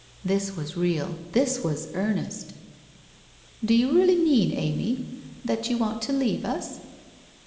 This was real, this was earnest! ' Do you really mean, Amy, that you want to leave us?